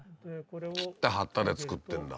切った貼ったで作ってるんだ。